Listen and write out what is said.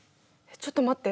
ちょっと待って。